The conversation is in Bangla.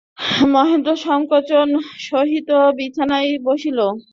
মহেন্দ্র সংকোচের সহিত বিছানায় বসিল।